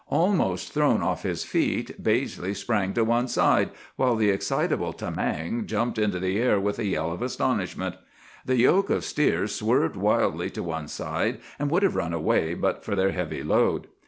"Almost thrown off his feet, Baizley sprang to one side, while the excitable Tamang jumped into the air with a yell of astonishment. The yoke of steers swerved wildly to one side, and would have run away but for their heavy load.